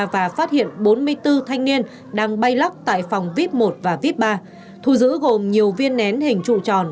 và phát hiện bốn mươi bốn thanh niên đang bay lắc tại phòng vip một và vip ba thu giữ gồm nhiều viên nén hình trụ tròn